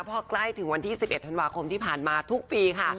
พอใกล้ถึงวันที่๑๑ธันวาคมที่ผ่านมาทุกปีค่ะ